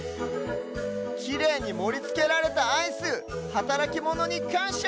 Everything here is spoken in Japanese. きれいにもりつけられたアイスはたらきモノにかんしゃ！